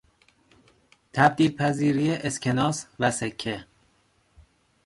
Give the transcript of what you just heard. تبدیل پذیری اسکناس و سکه